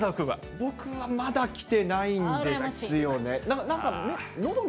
僕はまだ来てないんですよね。